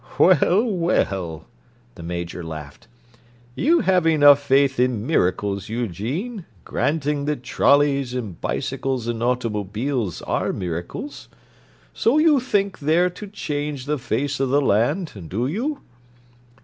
"Well, well!" the Major laughed. "You have enough faith in miracles, Eugene—granting that trolleys and bicycles and automobiles are miracles. So you think they're to change the face of the land, do you?"